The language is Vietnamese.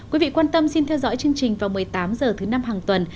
quý vị quan tâm xin theo dõi chương trình vào một mươi tám h thứ năm hàng tuần